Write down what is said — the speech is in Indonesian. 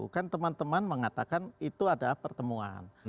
kan teman teman mengatakan itu adalah pertemuan